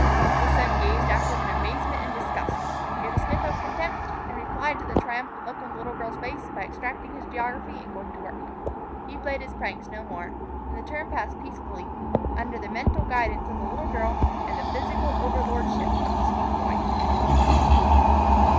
His son gazed after him in amazement and disgust, gave a sniff of contempt, and replied to the triumphant look on the little girl's face by extracting his geography and going to work. He played his pranks no more, and the term passed peaceably, under the mental guidance of the little girl and the physical overlordship of the Swede boy.